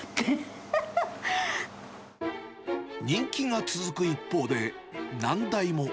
人気が続く一方で、難題も。